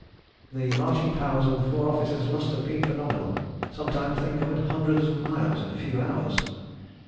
The marching powers of the four officers must have been phenomenal: sometimes they covered hundreds of miles in a few hours.